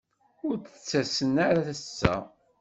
Ur d-ttasen ara ass-a.